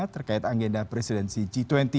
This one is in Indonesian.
terkait agenda presidensi g dua puluh